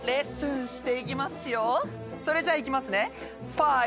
それじゃいきますね。